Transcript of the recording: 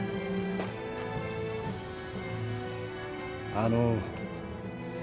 あの。